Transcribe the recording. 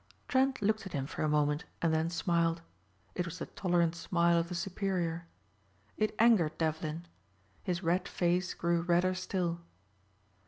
Trent looked at him for a moment and then smiled. It was the tolerant smile of the superior. It angered Devlin. His red face grew redder still.